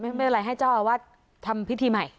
ไม่เป็นไรให้เจ้าอาวาสทำพิธีใหม่